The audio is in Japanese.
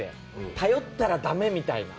頼ったら、だめみたいな。